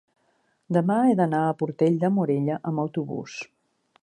Demà he d'anar a Portell de Morella amb autobús.